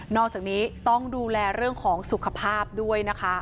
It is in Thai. อกจากนี้ต้องดูแลเรื่องของสุขภาพด้วยนะคะ